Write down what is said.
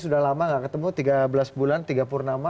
sudah lama gak ketemu tiga belas bulan tiga purnama